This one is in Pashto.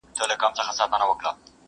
ما دا څه عمرونه تېر کړله بېځایه!.